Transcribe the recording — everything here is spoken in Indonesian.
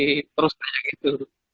masih terus kayak gitu